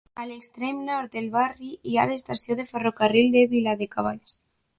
A l'extrem nord del barri hi ha l'estació de ferrocarril de Viladecavalls.